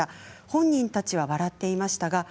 本人たちは笑っていました。